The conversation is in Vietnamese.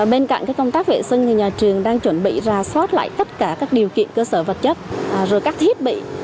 bên cạnh công tác vệ sinh thì nhà trường đang chuẩn bị ra soát lại tất cả các điều kiện cơ sở vật chất rồi các thiết bị